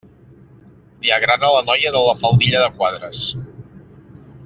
Li agrada la noia de la faldilla de quadres.